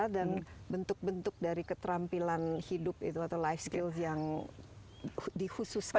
dan bentuk bentuk dari keterampilan hidup itu atau life skills yang dikhususkan bagi mereka